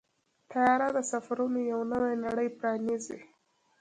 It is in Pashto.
طیاره د سفرونو یو نوې نړۍ پرانیزي.